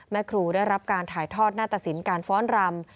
แม่ครูได้รับการถ่ายทอดหน้าตสินการฟ้อนรำ